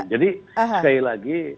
jadi sekali lagi